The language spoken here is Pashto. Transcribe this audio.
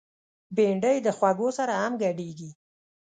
بېنډۍ د خوږو سره هم ګډیږي